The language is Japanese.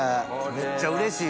めっちゃうれしい。